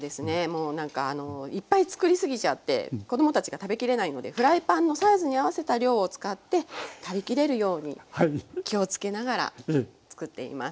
もうなんかあのいっぱい作り過ぎちゃって子供たちが食べきれないのでフライパンのサイズに合わせた量を使って食べきれるように気をつけながら作っていますはい。